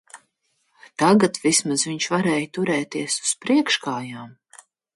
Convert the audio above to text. Tagad vismaz viņš varēja turēties uz priekškājām.